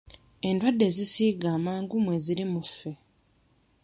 Endwadde ezisiiga amangu mweziri mu ffe.